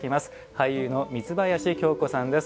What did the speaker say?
俳優の三林京子さんです。